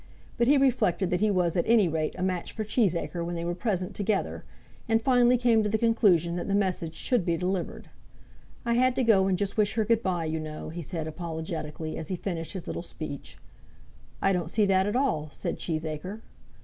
But he reflected that he was at any rate a match for Cheesacre when they were present together, and finally came to the conclusion that the message should be delivered. "I had to go and just wish her goodbye you know," he said apologetically, as he finished his little speech. "I don't see that at all," said Cheesacre.